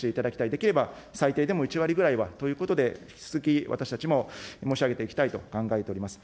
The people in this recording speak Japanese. できれば最低でも１割ぐらいはということで、引き続き、私たちも申し上げていきたいと考えております。